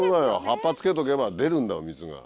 葉っぱつけとけば出るんだよ水が。